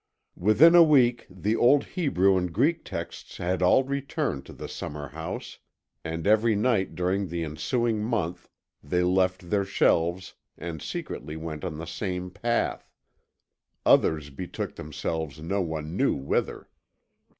Within a week the old Hebrew and Greek texts had all returned to the summer house, and every night during the ensuing month they left their shelves and secretly went on the same path. Others betook themselves no one knew whither.